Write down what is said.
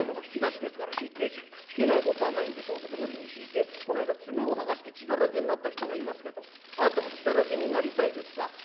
『引き出しですから引いて引けないことはないんでしょうけど無理に引いてこの間爪を剥がして血だらけになった人がいますけどあなたも血だらけになりたいですか？